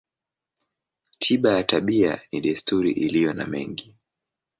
Tiba ya tabia ni desturi iliyo na mengi.